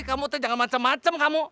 kamu tuh jangan macem macem kamu